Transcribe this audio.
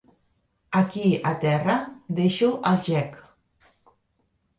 Aquí a terra deixo el gec!